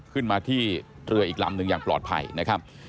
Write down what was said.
ขึ้นมาที่เรืออีกลำหนึ่งอย่างปลอดภัยนะครับ